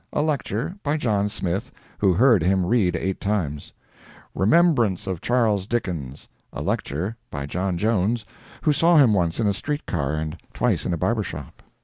A lecture. By John Smith, who heard him read eight times. "Remembrances of Charles Dickens." A lecture. By John Jones, who saw him once in a street car and twice in a barber shop.